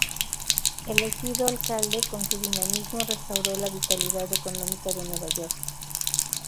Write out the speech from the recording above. Elegido alcalde, con su dinamismo restauró la vitalidad económica de Nueva York.